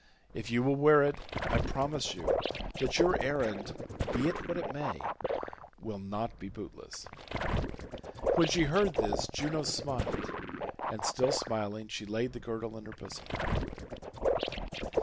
If you will wear it I promise you that your errand, be it what it may, will not be bootless." When she heard this Juno smiled, and still smiling she laid the girdle in her bosom.